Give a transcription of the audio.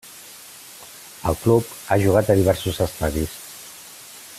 El club ha jugat a diversos estadis.